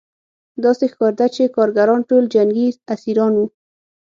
داسې ښکارېده چې کارګران ټول جنګي اسیران وو